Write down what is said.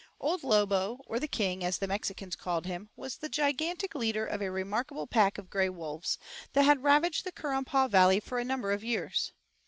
Old Lobo, or the king, as the Mexicans called him, was the gigantic leader of a remarkable pack of gray wolves, that had ravaged the Currumpaw Valley for a number of years.